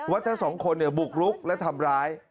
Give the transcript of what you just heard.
ทั้งสองคนบุกรุกและทำร้าย